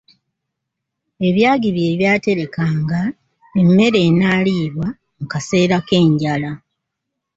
Ebyagi bye byaterekanga emmere enaaliibwa mu kaseera k'enjala.